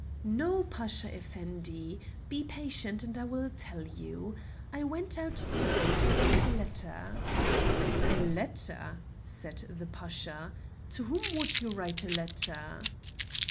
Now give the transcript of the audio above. "No, Pasha Effendi. Be patient, and I will tell you. I went out to day to write a letter." "A letter?" said the Pasha; "to whom would you write a letter?"